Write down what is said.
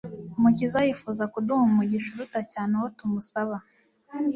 Umukiza yifuza kuduha umugisha uruta cyane uwo tumusaba,